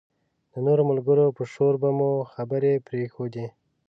د نورو ملګرو په شور به مو خبرې پرېښودې.